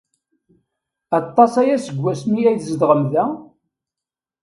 Aṭas aya seg wasmi ay tzedɣem da?